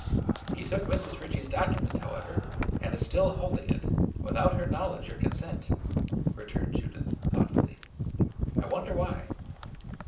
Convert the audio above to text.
"He took Mrs. Ritchie's document, however, and is still holding it, without her knowledge or consent," returned Judith thoughtfully. "I wonder why?"